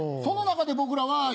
その中で僕らは。